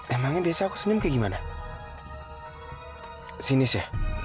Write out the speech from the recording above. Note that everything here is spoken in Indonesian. emangnya desa aku senyum kayak gimana sinis ya